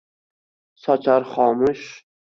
Sochar xomush